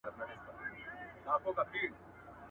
• په بازيو کي بنگړي ماتېږي.